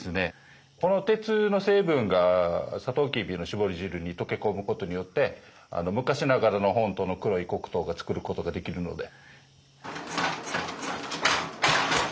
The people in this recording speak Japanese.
この鉄の成分がサトウキビの搾り汁に溶け込む事によって昔ながらの本当の黒い黒糖が作る事ができるので。